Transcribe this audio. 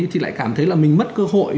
thì lại cảm thấy là mình mất cơ hội